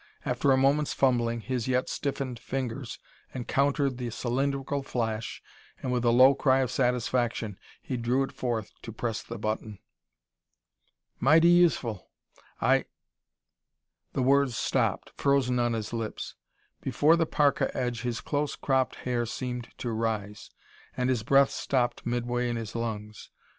After a moment's fumbling, his yet stiffened fingers encountered the cylindrical flash and, with a low cry of satisfaction, he drew it forth to press the button. "Mighty useful. I " The words stopped, frozen on his lips. Before the parka edge his close cropped hair seemed to rise, and his breath stopped midway in his lungs.